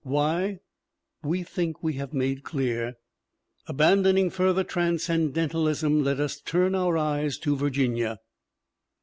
Why, we think we have made clear. Abandoning further transcendentalism let us turn our eyes to Virginia.